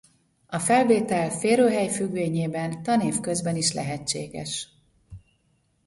A felvétel férőhely függvényében tanév közben is lehetséges.